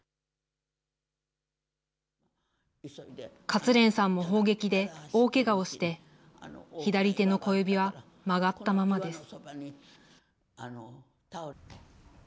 勝連さんも砲撃で大けがをして、左手の小指は曲がったままです。